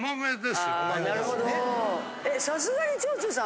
さすがに長州さん。